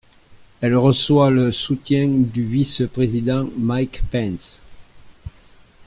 Elle reçoit le soutien du vice-président Mike Pence.